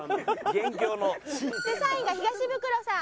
３位が東ブクロさん。